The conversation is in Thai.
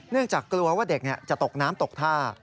จากกลัวว่าเด็กจะตกน้ำตกท่า